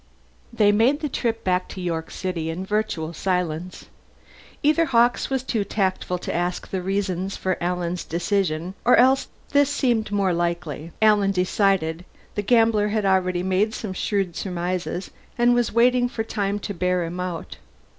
They made the trip back to York City in virtual silence. Either Hawkes was being too tactful to ask the reasons for Alan's decision or else this seemed more likely, Alan decided the gambler had already made some shrewd surmises, and was waiting for time to bear him out.